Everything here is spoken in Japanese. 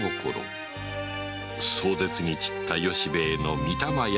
壮絶に散った由兵衛の御霊安